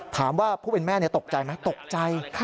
ถามว่าผู้เป็นแม่ตกใจไหมตกใจ